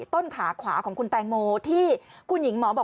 ต้นขาขวาของคุณแตงโมที่คุณหญิงหมอบอก